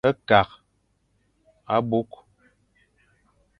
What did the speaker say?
Kakh abôkh.